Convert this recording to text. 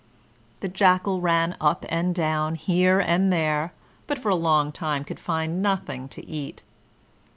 The Jackal ran up and down, here and there, but for a long time could find nothing to eat.